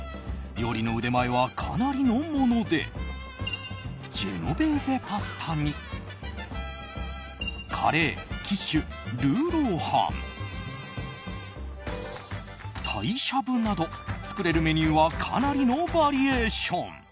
料理の腕前はかなりのものでジェノベーゼパスタにカレー、キッシュ、ルーローハン鯛しゃぶなど作れるメニューはかなりのバリエーション。